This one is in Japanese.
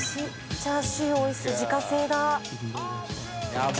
チャーシューおいしそう自家製だ筌丱